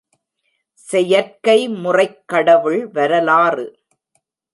செயற்கை முறைக் கடவுள் வரலாறு...